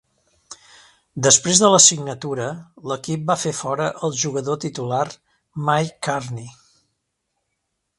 Després de la signatura, l'equip va fer fora el jugador titular Mike Karney.